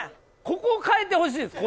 ここを変えてほしいです